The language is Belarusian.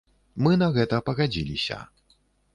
Мы на гэта пагадзіліся.